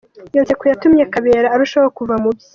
Iyo nseko yatumye Kabera arushaho kuva mu bye.